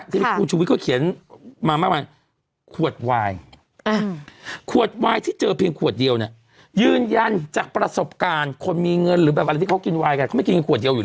ที่คุณชุวิทย์เขาเขียนมามากมาย